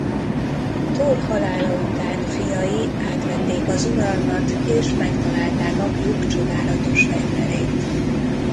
Thor halála után fiai átvették az uralmat és megtalálták apjuk csodálatos fegyverét.